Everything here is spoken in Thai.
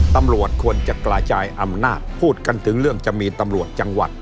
ตำรวจควรจะกระจายอำนาจพูดกันถึงเรื่องจะมีตำรวจจังหวัด